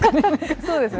そうですね。